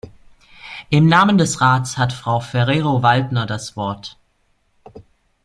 Im Namen des Rats hat Frau Ferrero-Waldner das Wort.